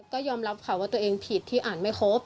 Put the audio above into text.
ก็ยอมรับค่ะว่าตัวเองผิดที่อ่านไม่ครบ